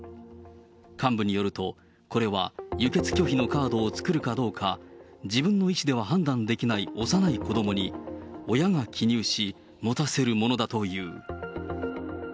幹部によると、これは、輸血拒否のカードを作るかどうか、自分の意思では判断できない幼い子どもに親が記入し、持たせるものだという。